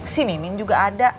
si mimin juga ada